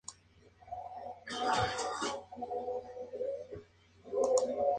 El pueblo está asentado sobre las zonas planas del valle del Yaqui.